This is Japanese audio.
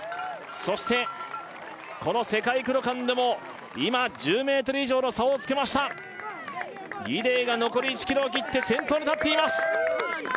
そしてこの世界クロカンでも今１０ｍ以上の差をつけましたギデイが残り１ｋｍを切って先頭に立っています